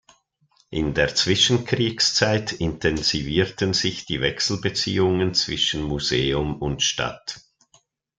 In der Zwischenkriegszeit intensivierten sich die Wechselbeziehungen zwischen Museum und Stadt.